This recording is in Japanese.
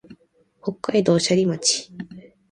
北海道斜里町